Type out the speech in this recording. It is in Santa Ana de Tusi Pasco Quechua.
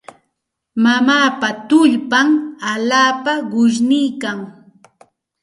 Mamaapa tullpan allaapa qushniikan.